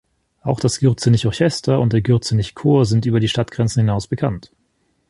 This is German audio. Auch das Gürzenich-Orchester und der Gürzenich-Chor sind über die Stadtgrenzen hinaus bekannt.